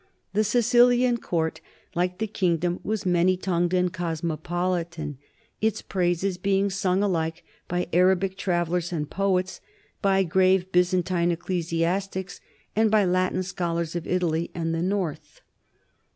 The Sicilian court, like the kingdom, was many tongued and cosmopolitan, its praises being sung alike by Arabic travellers and poets, by grave Byzantine ecclesiastics, and by Latin scholars of Italy and the north.